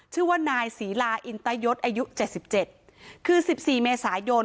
ชื่อว่านายศรีลาอินตยศอายุเจ็ดสิบเจ็ดคือสิบสี่เมษายน